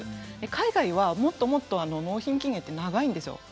海外はもっともっと納品期限が長いんですよ。